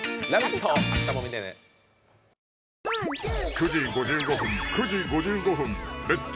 ９時５５分９時５５分「レッツ！